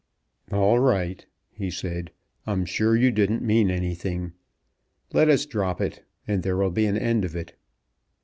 "All right," he said; "I'm sure you didn't mean anything. Let us drop it, and there will be an end of it."